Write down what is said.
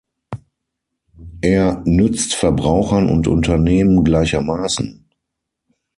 Er nützt Verbrauchern und Unternehmen gleichermaßen.